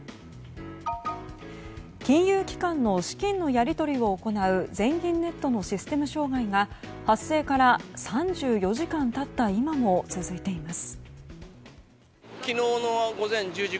金融機関の資金のやり取りを行う全銀ネットのシステム障害が発生から３４時間経った今も続いています。